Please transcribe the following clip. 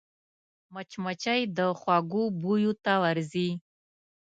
مچمچۍ د خوږو بویو ته ورځي